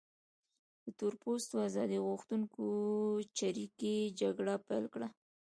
تور پوستو ازادي غوښتونکو چریکي جګړه پیل کړه.